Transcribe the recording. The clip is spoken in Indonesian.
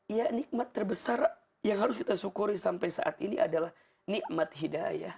ya nikmat terbesar yang harus kita syukuri sampai saat ini adalah nikmat hidayah